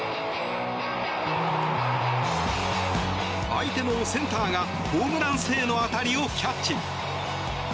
相手のセンターがホームラン性の当たりをキャッチ。